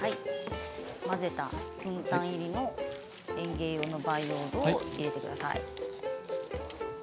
混ぜた、くん炭入りの園芸用培養土を入れてください。